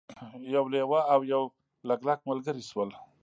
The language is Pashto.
یو لیوه او یو لګلګ ملګري شول.